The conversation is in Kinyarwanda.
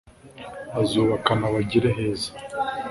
bazubakana bagere heza